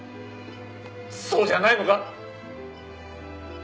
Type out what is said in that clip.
そうじゃないのか！？